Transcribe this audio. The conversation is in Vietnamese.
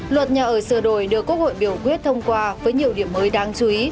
luật nhà ở sửa đổi được quốc hội biểu quyết thông qua với nhiều điểm mới đáng chú ý